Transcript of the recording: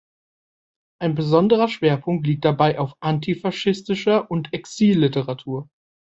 Ein besonderer Schwerpunkt liegt dabei auf antifaschistischer und Exilliteratur.